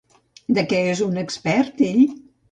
De què és un expert ell?